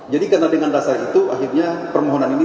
jadi karena dengan dasar itu akhirnya permohonan ini